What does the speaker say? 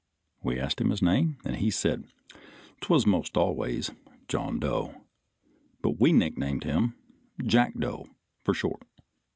We asked his name and he said 'twas most always John Doe, but we nicknamed him Jackdo for short.